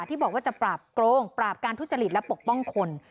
ที่บอกว่าจะปราบโกงปราบการทุจริตและปกป้องคน